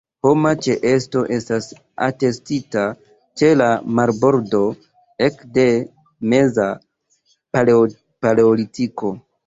Homa ĉeesto estas atestita ĉe la marbordo ekde meza paleolitiko.